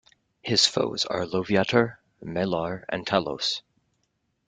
His foes are Loviatar, Malar and Talos.